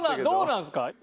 どうなんですか？